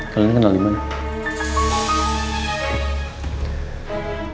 kalian kenal gimana